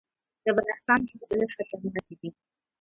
د بدخشان زلزلې خطرناکې دي